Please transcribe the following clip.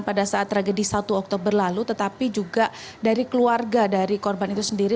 pada saat tragedi satu oktober lalu tetapi juga dari keluarga dari korban itu sendiri